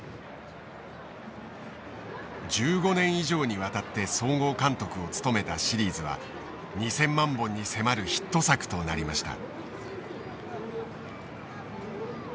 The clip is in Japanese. １５年以上にわたって総合監督を務めたシリーズは２，０００万本に迫るヒット作となりました。